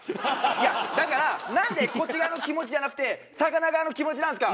いやだからなんでこっち側の気持ちじゃなくて魚側の気持ちなんですか？